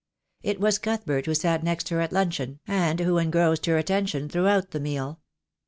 It was Cuthbert who sat next her at luncheon, and who engrossed her attention throughout the meal.